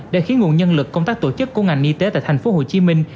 đã khiến nguồn nhân lực công tác tổ chức của ngành y tế tại thành phố hồ chí minh